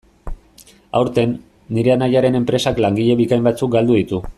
Aurten, nire anaiaren enpresak langile bikain batzuk galdu ditu.